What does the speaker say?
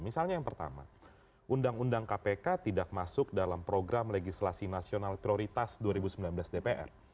misalnya yang pertama undang undang kpk tidak masuk dalam program legislasi nasional prioritas dua ribu sembilan belas dpr